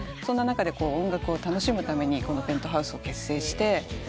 そんな中で音楽を楽しむためにＰｅｎｔｈｏｕｓｅを結成して。